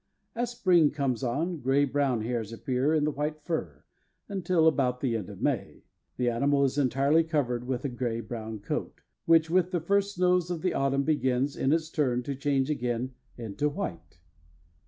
As spring comes on, gray brown hairs appear in the white fur, until, about the end of May, the animal is entirely covered with a gray brown coat, which with the first snows of the autumn begins, in its turn, to change again into white.